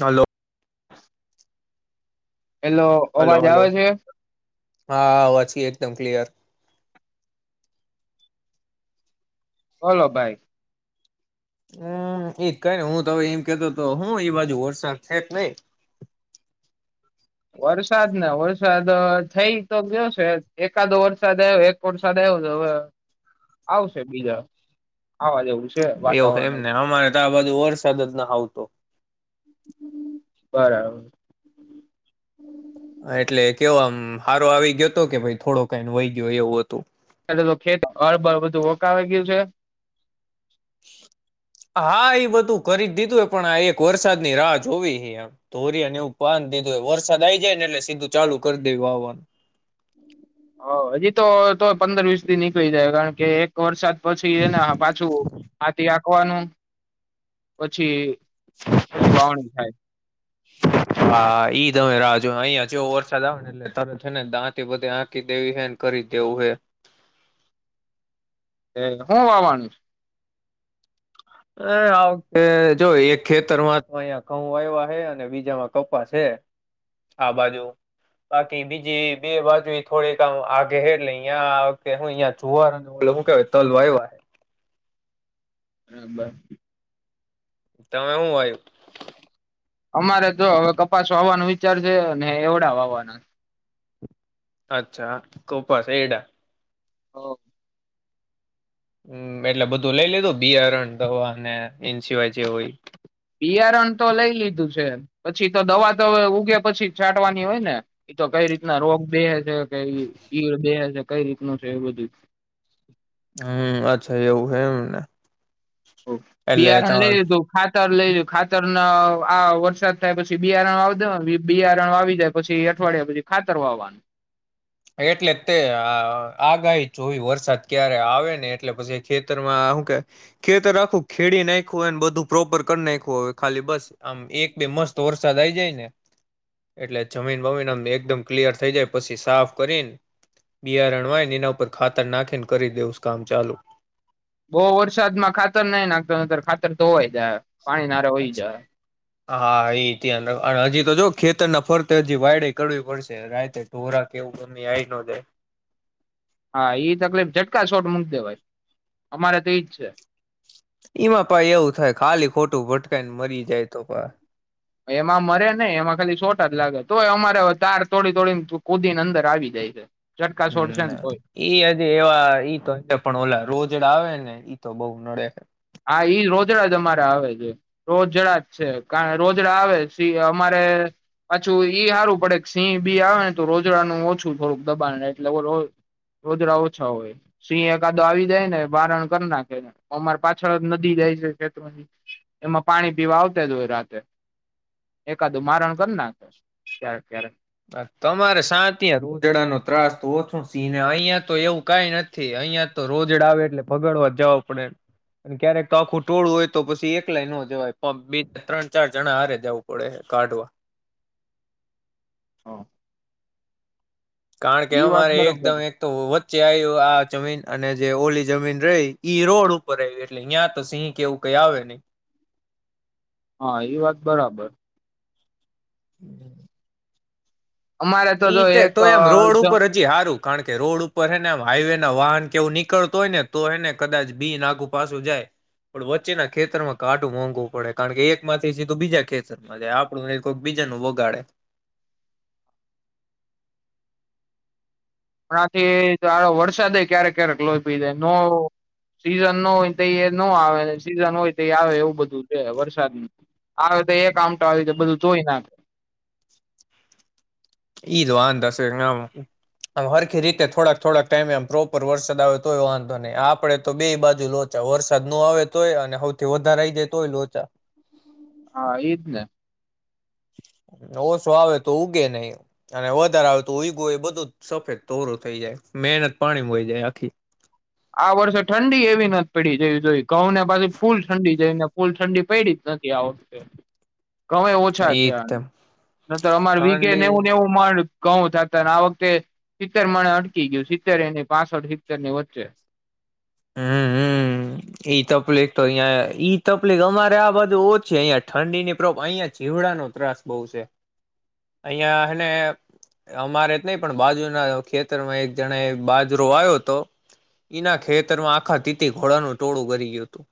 હાલો hello hello અવાજ hello આવે છે ડમ ક્લીઅર બોલો ભાઈ હમ એજ કઈને હું તો હ એમ કેતો તો હું એ બાજુ વરસાદ છે કે નહી વરસાદ ને વરસાદ થઈ તો ગયોશે એકાદો વરસાદ આવ્યો એક વરસાદ આવ્યો હવે આવશે બીજા આવા જેવું છે એવું એમ વાતાવરણ ને અમારે તો આ બાજુ વરસાદ જ ના આવતો બરાબર એટલે કેવામ હારો આવી ગયો હતો કે ભાઈ થોડો કઈ વહી ગયો એવું હતું એ ખેત હળબળ બધું ઓકાવ ગયું છે હા એ બધું કરી દીધું હોય પણ આ એક વરસાદની રાહ જોવી હ ધોરીને એવું પાન દીધું વરસાદ આઈ જાય ને એટલે સીધું ચાલુ કરી દે વાનું હા હજી તો તો પંદર વીસ થી નીકળી જાય કારણ કે એક વરસાદ પછી એને પાછું આથી કવાનું પછી પછી વાવણી થાય હા ઈ તમે રાજ જો અહિયાં જેવો વરસાદ આવે ને એટલે તારે છે ને દાંંતથી બધી આંકી દેવી હેને કરી દેવું હે એ હું વાવાનું છ હ આ વખતે જોય એક ખેતરમાં તો અહયા ઘઉં આવ્યા હ અને બીજામાં કપા છે આ બાજુ બાકી બીજી બે બાજુ થોડીકમ આગે એટલે અ વખતે હું જુવાર ઓ મક તલ આવ હ બરાબર તમે હું વાવિયું અમારે તો હવે કપાસ વાવાનું વિચારશે ને હેવડા વાવાના અચ્છા ખૂપ છે એડા [inaudible] હમ એટલે બધું લઈ લીધું બિયારણ દવા અને એ સિવાય જે હોય બિયારણ તો લઈ લીધું છે પછી તો દવા તો ઉગે પછી છાંટવાની હોય ને એતો કઈ રીતના રોગ દહે છે કે ઈડ દહે છે કઈ રીતનું છે એ બધું હમ અચ્છા એવું હ એમને એટલે બિયારખ ત લઈ લ ખાતર લઈ રહ ખાતર આ વરસાદ થાય પછી બિયારણ આવ દો બિયારણ આવી જાય પછી અઠવાડિયા પછી ખાતર વાવાનું એટલે તે આગાહી જોવી વરસાદ ક્યારે આવે ને એટલે પછી ખેતરમાં હું કે ખેતર આખું ખેડી નાખું હોયને બધું પ્રોપર કરી નાખું ખાલી બસ આમ એક બે મસ્ત વરસાદ આઈ જાય ને એટલે જમીન વમીનમ એકદમ ક્લિયર થઈ જાય પછી સાફ કરીને બિયાર રણવાયને એના ઉપર ખાતર નાખીને કરી દેવસ કામ ચાલુ બઉ વરસાદ માં ખાતર નઈ નાખતો ખાતર તોવાય જાય પાણી નારે હોઈ અચ્છા. જાય હા એ ત્યા હજી તો જો ખેતર ના ફરતે હજી વાયડે કરવી પડશે રાતે ઢોરા કે એવું ગમી આવી ન જાય હા તકલીફ ઝટકા શોટ મૂક દેવાાઈ અમારે તો એજ છે એમાં પાહી એવું થાય ખાલી ખોટું ભટકાયને મરી જાય તો પ એમાં મરે ને એમાં ખાલી શોર્ટજ જ લાગે તોયયે અમારે તાર તોડી તોડી કુદી ને અંદર આવી જાય છે ચટકા છોડશે હમ ને તોય એઈ હજ એવા ઈ તો પણ ઓલા રોજડા આવે ને તો બઉ નડે હા ઈ રોજડા જ અમારે આવે છે રોજડા જ છે કા રોજડા આવે સિ અમારે પાછું ઈ હારું પડે સિંહ બી આવે ને તો રોજડાનું ઓછું થોડુંક દબાણ એટલે રોજડા ઓછા હોય સિંહ એક કાદો આવી જાય ને મારણ કર નાખે અમારે પાછળ નદી જાય છે ખેતની એમાં પાણી પીવા આવતા જ હોય રાતે એકાદું મારણ કર નાખે ક્યારેક ક્યારેક તમારે શાતિ આ રોજડા નો ત્રાસ તો ઓછો સિંહ ને અહિયાયા તો એવું કઈ નથી અહિયાં તો રોજડા આવે એટલે ભગડવા જવા પડે ક્યારેક આખું ટોળું હોય તો પછી એકલા નો જવાય બે ત્રણ ચાર જણા હરે જવું પડે કાઢવા હા કારણ કે અમારે બરોબર એકદમ એક તો વધ ચ્ચે આ આ જમીન અને જે ઓલી જમીન રહી ઈ રોડ ઉપર આવી એટલે ત્યાં તો સિંહ એવું કઈ આવે નહી હા એ વાત બરાબર [inaudible] અમારે જો ઈ તો એક તો અ, એમ રોડ ઉપર હમણાંથી હજી હારું કારણ કે રોડ ઉપર હને આમ હાઈવે ના વાહન કેવું નીકળતો હોય ને તો એને કદાચ બી નાગુ પાછું જાય પણ વચ્ચેના ખેતરમાં કાટું મોંઘવું પડે કારણ કે એક માંથી સીધું બીજા ખેતરમાં જાય આપણું ન કોઈક બીજાનું બગાડે પણ આથી હારો વરસાદ એય ક્યારેક ક્યારેક લોહી પી જાય નો સીઝન નો હોય તો નો આવે સીઝન હોય તો એ આવે એવું બધું છે વરસાદ આવે તો એક આમટ આવી બધું ધોય નાખે એઈજ વાંધાશેમ હરખી રીતે થોડાક થોડાક ટાઈમે આમ પ્રોપર વરસાદ આવે તોય વાંધો નહી આપડે તો બે બાજુ લોચા વરસાદ નો આવે તોય અને સૌથી વધારે આઈ જાય તોય લોચા હા ઈજ ને ઓછો આવે તો ઉગે ની અને વધારે આવે તો ઊંયગો એ બધું જ સફેદ તોરું થઈ જાય મહેનત પાણીઈ જાય આખી. આ વર્ષે ઠંડી એવી નથી પડી જેવી જોઈ. કઉં ને પછી ફૂલ ઠંડી જઈને. ફૂલ ઠંડી પડીડી જ નથી આ વખતે. ઘવે ઓછા થયા એકદમ ન તો અમારે વિગે ઠંડી નેવું નેવું મણ ઘઉ થતા અને આ વખતે સિત્તેર મણે અટકી ગયું સિત્તેર એની પાસઠ સિત્તેર ની વચ્ચે. હમ્મ હમ્મ ઈ તકલીફ તો અહિયાં ઈ તકલીફ અમારે આ બાજુ ઓછી અહી ઠંડીનીબ અહીંયા જીવડાનો ત્રાસ બહુ છે અહિયાંને અમારે નહી પણ બાજુના ખેતરમાં એક જણા બાજરો આવ્યો હતો ઈના ખે ખેતરમાં આખા તીતી તોડાનું ટોળું ગરી ગયું હતું.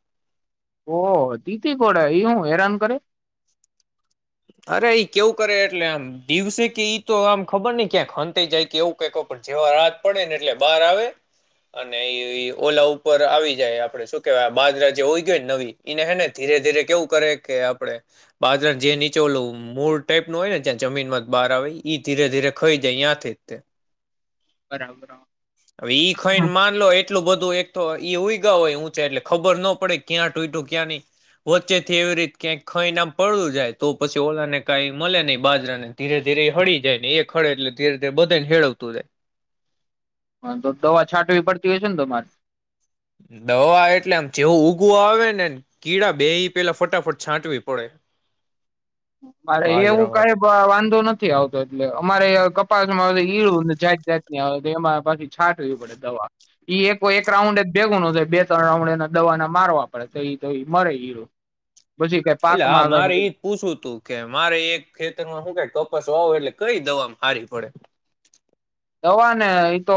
ઓહ તીતી ઘોડ એ હું હેરાન કરે. અરે ઈ કેવું કરે એટલે આમ દિવસે કે ઈ તો આમ ખબર ની ક્યાં હંતાઈ જાય કે એવું ક જેવા રાત પડેને એટલે બહાર આવે અને ઈ ઓલા ઉપર આવી જાય આપડે શું કેવાય બાજરા જે હોય ગય ને નવી ને હેને ધીરે ધીરે કેવું કરે કે આપડે બાજરા જે ની ચોલું મૂળ ટાઈપ નું હોય ને જ્યાં જમીન માં જ બહાર આવે ઈ ધીરે ધીરે ખાઈ જાય ત્યાંથી જ- બરાબર હવે ઈ ખાઈને માનલો એટલું બધું એક તો એ ઉગયો હોયે ઉંચો ઊંચે એટલે ખબર ન પડે ક્યાં તુંતોયે ક્યાં નહી વચ્ચેથી એવી રીતે ક ખાઈ નામ પડું જાય. તો પછી ઓલાને કાઈ મળે નહી બાજરાને ધીરે ધીરે હળી જાય ને એક હળે એટલે ધીરે ધીરે બધાને હેળવતું જાય. હ તો દવા છાંટવી પડતી હોય છે ને તમારે. દવા એટલે આમ જેવું ઉગવું આવે ને કીડા બે પેલા ફટાફટ છાંટવી પડે. મારે એ એવું બાજરામાં કઈ તો વાંધો નથી આવતો એટલે અમારે કપાસમાં ઇરું ને જાત જાત એમાં પછી છાંટવી પડે દવા ઈ એક રાઉન્ડ જ ભેગું ન થાય બે ત્રણ રાઉન્ડ એના દવાને મારવા પડે તયે તયે મરે ઈ એટલે હા મારે એ જ પૂછુંવું તું. કે મારે એક ખેતરમાં હું ક કપાસ વાવું એટલે કઈ દવા હારી પડે. દવા ને એ તો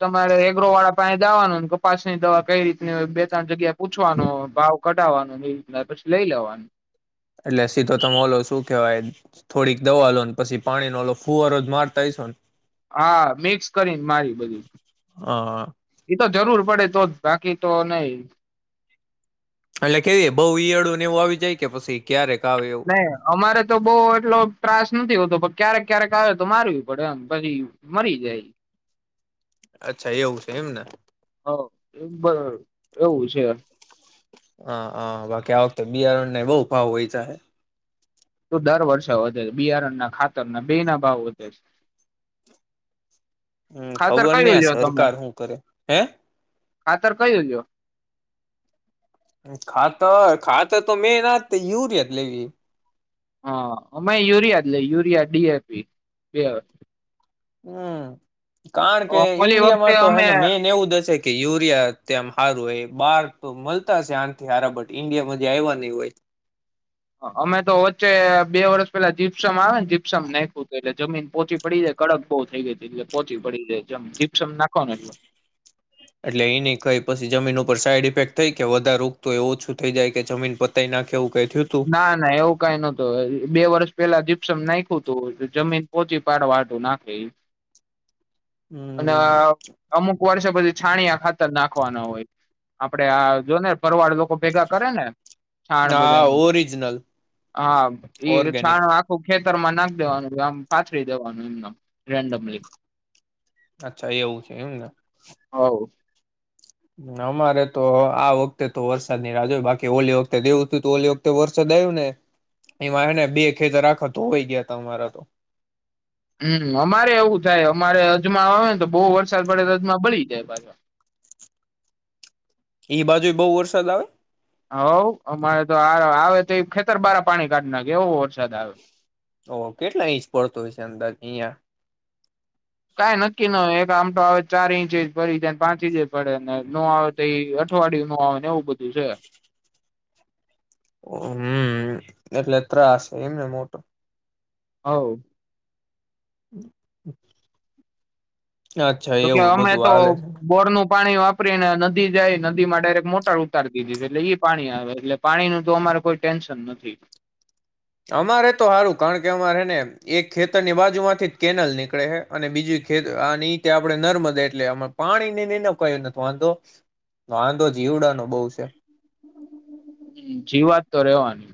તમારે એગ્રો વાળા પાહે જવાનુંને કપાસ ની દવા કઈ રીતની હોય બે ત્રણ જગ્યા પૂછવાનો ભાવ કઢાવવાનો એ રીત ના પછી લઈ લેવાનું. એટલે સીધો તમે ઓલો શું કહેવાય થોડીક દવા લો ને પછી પાણીનો ઓ ફુવારો જ મારતા હશો ને. હા મિક્સ કરીને મારી બધું હા એતો જરૂર પડે તો જ બાકી. તો નહી. એટલે કે બહુ ઈયળું ને એવું આવી જાય કે પછી ક્યારેક. આવે એવું નહી અમારે તો બહુ એટલો ત્રાસ નથી હોતો પણ ક્યારેક ક્યારેક આવે તો મારવી પડેમ પછી મરી જાય. અચ્છા એવું છે એમને. પર એવું છે. હ હા બાકી આ વખતે બિયારણ ને બહુ ભાવ વધીયા હે. તું દર વર્ષે વધે છે બિયારણના ખાતરના બે ના ભાવ વધે છે. હમ ખાતર ખબર નહ કયું આ લ્યો તમે સરકાર શું કરે હે. ખાતર કયું લ્યો ખાતર ખાતર તો મેં ના જ યુરિયા જ લેવી. હા અમે યુરિયા જ લઈ યુરિયા ડીએપી પેઅ હમ. કારણ કે ઓલી વખતે ઈન્ડિયામાં તો હે અમે ને મેન એવું જ હશે. કે યુરિયા તેમ હારું હોય બહાર તો મળતા છે આથી હારાટ ઇન્ડિયામાંથી આવવા નહી હોય. અમે તો વચ્ચે બે વર્ષ પેલા જીપસમ આવે ને જીપસમ નાખવું હતું એટલે જમીન પોહોચી પડી જાય કડક બહુ થઈ ગઈ હતીલે પોહોચી પડી જાય જીપસમ નાખો ને એટલ એટલે એની કઈ પછી જમીન ઉપર સાઈડ ઇફેક્ટ થઈ કે વધારે ઉગતુ એ ઓછું થઈ જાય કે જમીન પતાઈ નાખેવું કઈ થયું તું ના ના એવું કઈ નતું બે વર્ષ પેલા ક્ષમ નાખ્યું તું જમીન પોહચી પાડવાઢું નાખે અને હમ અમુક વર્ષ પછી છાણિયા ખાતર નાખ રાખવાના હોય આપડે આ જો ને પરવાળ લોકો ભેગા કરે ને છાણ હા બધાને ઓરી હા એ છાણ આખો ખેતર માં નાખ દેવાનું આમ પાથરી દેવાનું એમ રેન્ડમલી અચ્છા એવું છે એમને હોવ અમારે તો આ વખતે તો વરસાદ નની રાહ હોય બાકી ઓલી વખતે દેવું હતું તો ઓલી વખતે વરસાદ આવ્યો ને એમાં એને બે ખેતર આખા તો ધોવાય ગયા ત અરા તો હમ અમારે એવું થાય અમારે અજમા આવે ને તો બહુ વરસાદ પડે તો અજમા બળી જાય પાછો એ બાજુ બહુ વરસાદ આવે હઉ અમારે તો આવે તો એ ખેતર બાર પાણી કાઢી નાખે એવો વરસાદ આવે ઓ કેટલા ઇંચ પડતો હોય છે અંદર અહિયાં કાંઈ નક્કી ન એક આમઠો આવે ચાર ઇંચ પડીને પાંચ ઇંચ પડેને નો આવે તો એ અઠવાડિયું ન આવે એવું બધું છે હમ એટલે ત્રાસ એમને મોટો હવ [unintelligible] અચ્છા જોકે એવું અમે બધું તો હાલે છે બોર્ડ નું પાણી વાપરીને નદી જાય નદી માં ડાયરેક્ટ મોટર ઉતારી દીધી છે એટલે ઈ પાણી આવે એટલે પાણી નું તો અમારે કોઈ ટેન્શન નથી અમારે તો હારું કારણ કે અમારેને એક ખેતરની બાજુ માંથી જ કેનલ નીકળે હે અને બીજું ખેત આની તે આપણે નર્મદા એટલે પાણી કયું નથી વાંધો વાંધો જીવડાનો બહુ છે જી વાત તો રહેેવાની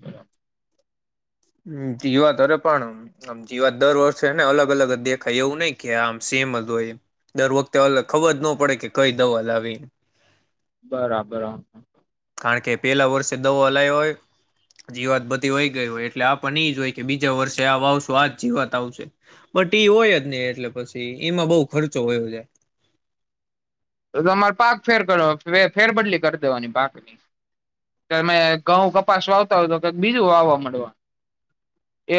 જીવાત અરે પણ આમ જીવાત દર વર્ષેને અલગ અલગ દેખાય એવું નહી કે આમ સેમ જ હોય દર વખતે અગ ખબર જ ન પડે કે કઈ દવા લાવી બરાબર હ. કારણ કે પેલા વર્ષે દવા હ લયો હોય, જીવાત બધી હોય ગઈ હોય એટલે આપને એજ હોય કે બીજા વર્ષે આ વાવશો આ જ જીવાત આવશે, બટ એ હોય જ નહી એટલે પછી એમાં બહુ ખર્ચો હોયો જાય. તો તમારે પાક ફેર કરવા ફેરબદલી કરી દેવાની પાકની, તમે ઘઉં કપાસ વાવતા હોય તો કઈક બીજું વાવવા મળવા.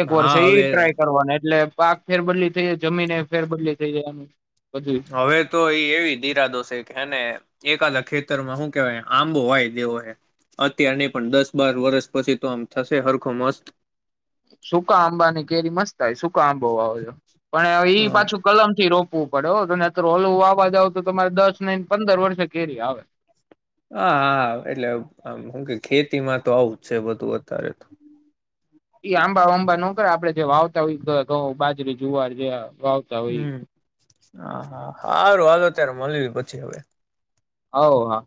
એક હા વર્ષે ઈ હવે ટ્રાય કરવાનું એટલે પાક ફેરબદલી થઈ જાય જમીન એ ફેરબદલી થઈ જાય એનું. બધું હવે તો એ એવી ઇરાદો છે. અને એકાદા ખેતરમાં શું કેવાય આંબો વાય દેવો હ, અત્યાર નની પણ દસ બાર વરષ પછી તો આમ થશે હરખો મસ્ત. સૂકા આંબા ની કેરી મસ્ત થાય સૂકા આંબો વો, પણ ઈ પાછું કલમ થી રોપવું પડેને અર ઓલવું આવાજ આવ તો તમારે દસ ને પંદર વર્ષે કેરી આવે. હા હા એટલે હું કે ખેતી માં તો આવું જ છે બધું તારેત. એઈ આંબા વાંબા ન કરે આપડે જે વાવતા હોય ઘઉં બાજરી જુવાર જે વાાવતા હોય. હમ હા હા સારું હાલ અત્યારે મળી પછી હવે. હ હા.